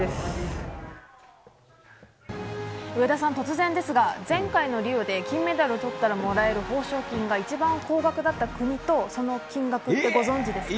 上田さん、突然ですが前回のリオで金メダルをとったらもらえる報奨金が一番高額だった国とその金額ってご存じですか？